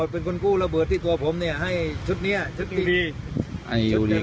เป็นคุณกู้ระเบิดที่ตัวผมเนี่ยให้ชุดเนี้ยชุดดีอันนี้ยูดี